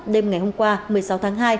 đêm ngày hôm qua một mươi sáu tháng hai